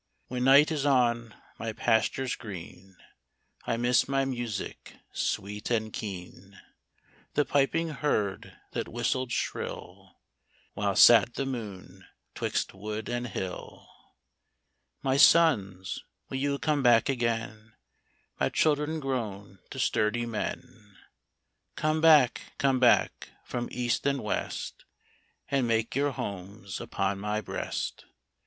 When night is on my pastures green I miss my music sweet and keen. The piping herd that whistled shrill While sat the moon 'twixt wood and hill. My sons, will you come back again, My children grown to sturdy men ? Come back, come back, from east and west, And make your homes upon my breast ?